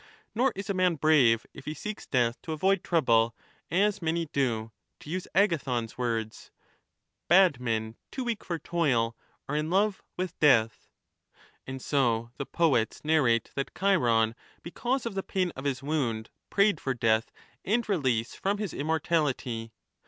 Nor is a man brave if he\o seeks death to avoid trouble, as many do ; to use Agathon's/1230 words :' Bad men too weak for toil are in love with death.' And so the poets narrate that Chiron, because of the pain of his wound, prayed for death and release from his immor tality.